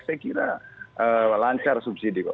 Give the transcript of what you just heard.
saya kira lancar subsidi kok